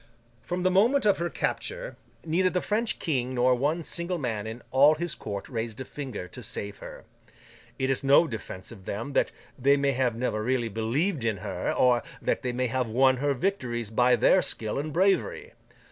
From the moment of her capture, neither the French King nor one single man in all his court raised a finger to save her. It is no defence of them that they may have never really believed in her, or that they may have won her victories by their skill and bravery.